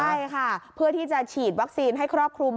ใช่ค่ะเพื่อที่จะฉีดวัคซีนให้ครอบคลุม